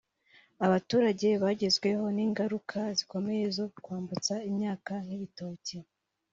Abaturage bagezweho n’ingaruka zikomeye zo kwambutsa imyaka nk’ibitoki